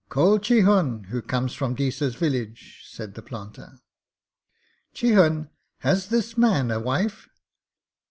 'Call Chihun, who comes from Deesa's village,' said the planter. 'Chihun, has this man a wife?'